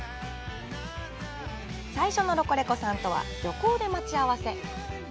最初のロコレコさんとは漁港で待ち合わせ。